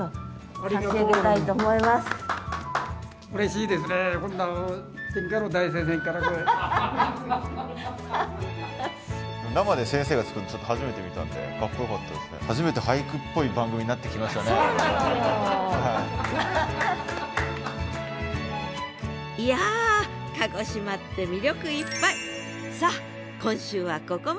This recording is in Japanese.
いや鹿児島って魅力いっぱい！